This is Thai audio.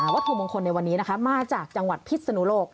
วัตถุมงคลในวันนี้นะคะมาจากจังหวัดพิษนุโลก